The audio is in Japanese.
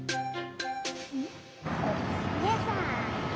でさ。